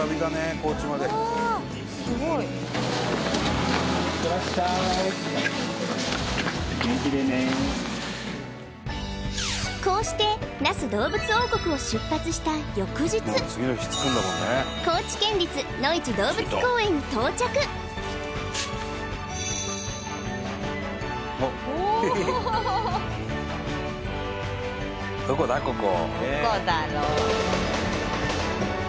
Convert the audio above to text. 高知までこうして那須どうぶつ王国を出発した翌日どこだろう？